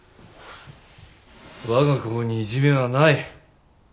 我が校にいじめはない。